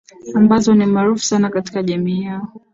ambazo ni maarufu sana katika jamii yao